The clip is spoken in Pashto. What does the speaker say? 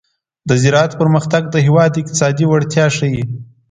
د زراعت پرمختګ د هېواد اقتصادي پیاوړتیا ښيي.